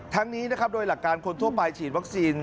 นี้นะครับโดยหลักการคนทั่วไปฉีดวัคซีน